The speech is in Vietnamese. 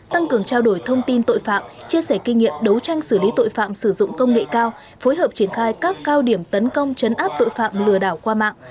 tăng cường trao đổi thông tin tội phạm chia sẻ kinh nghiệm đấu tranh xử lý tội phạm sử dụng công nghệ cao phối hợp triển khai các cao điểm tấn công chấn áp tội phạm lừa đảo qua mạng